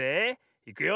いくよ。